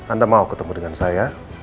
anda mau ketemu dengan saya